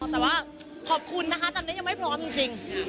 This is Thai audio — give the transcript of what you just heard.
แต่ว่าขอบคุณนะคะตอนนี้ยังไม่พร้อมจริง